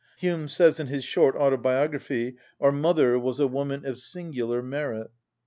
Hume says in his short autobiography: "Our mother was a woman of singular merit."